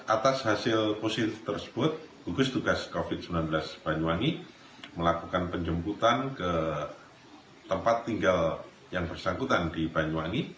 atas hasil positif tersebut gugus tugas covid sembilan belas banyuwangi melakukan penjemputan ke tempat tinggal yang bersangkutan di banyuwangi